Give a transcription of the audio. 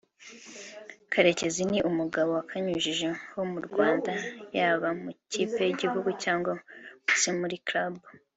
Karekezi ni umugabo wakanyujijeho mu Rwanda yaba mu ikipe y’Igihugu cyangwa se muri Club